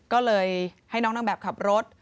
ก็เลยให้น้องนางแบบขับรถ